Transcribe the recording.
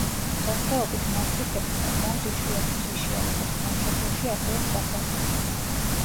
დღესდღეობით მასტიფები საკმაოდ იშვიათი ჯიშია როგორც სამშობლოში, ასევე სხვა ქვეყნებში.